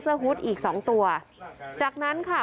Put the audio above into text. เสื้อฮุฏอีกสองตัวจากนั้นค่ะ